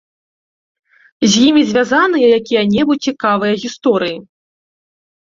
З імі звязаныя якія-небудзь цікавыя гісторыі?